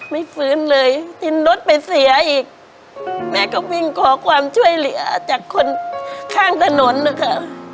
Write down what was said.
ไม่ฟื้นเลยกินรถไปเสียอีกแม่ก็วิ่งขอความช่วยเหลือจากคนข้างถนนนะคะ